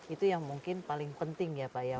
itu yang mungkin paling penting ya pak ya